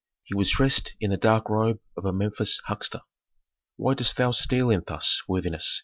He was dressed in the dark robe of a Memphis huckster. "Why dost thou steal in thus, worthiness?"